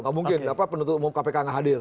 nggak mungkin kenapa penutup kpk nggak hadir